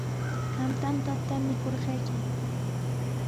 Qam tantata mikurqayki.